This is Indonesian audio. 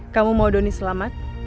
kamu mau doni selamat